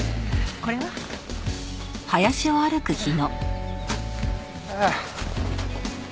これは？ああ。